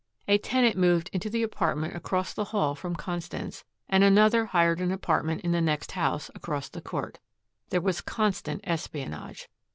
A tenant moved into the apartment across the hall from Constance, and another hired an apartment in the next house, across the court. There was constant espionage.